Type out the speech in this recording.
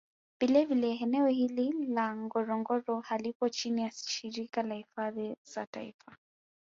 Vile vile eneo hili la ngorongoro halipo chini ya Shirika la hifadhi za Taifa